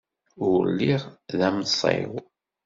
Ur lliɣ d amẓiw.